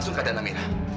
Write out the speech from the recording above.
masuk ke keadaan amira